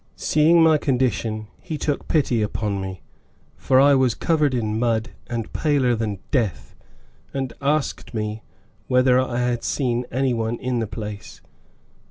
Seeing my condition, he took pity upon me, for I was covered with mud and paler than death, and asked me whether I had seen anyone in the place.